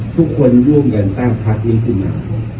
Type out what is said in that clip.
ทุกคนร่วมกันตั้งคราวนี้ขึ้นมา